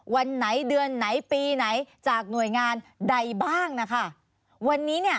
วันไหนเดือนไหนปีไหนจากหน่วยงานใดบ้างนะคะ